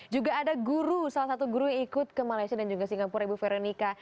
juga ada guru salah satu guru yang ikut ke malaysia dan juga singapura ibu veronica